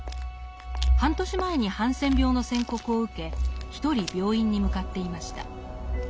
半年前にハンセン病の宣告を受け一人病院に向かっていました。